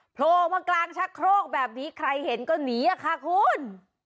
โผล่มากลางชักโครกแบบนี้ใครเห็นก็หนีอะค่ะคุณ